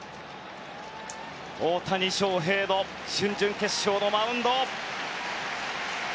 大谷翔平の準々決勝のマウンド。